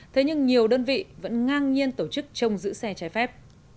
thế nhưng nhiều đơn vị vẫn ngang nhiên tổ chức trông giữ xe trái phép